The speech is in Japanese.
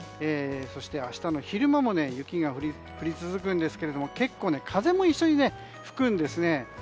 そして明日の昼間も雪が降り続くんですが結構、風も一緒に吹くんですね。